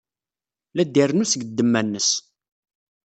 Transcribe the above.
La d-irennu seg ddemma-nnes.